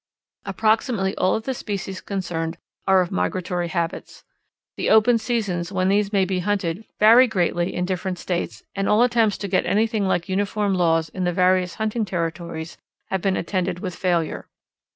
Approximately all of the species concerned are of migratory habits. The open seasons when these may be hunted vary greatly in different states and all attempts to get anything like uniform laws in the various hunting territories have been attended with failure.